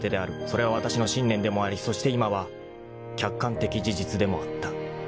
［それはわたしの信念でもありそして今は客観的事実でもあった］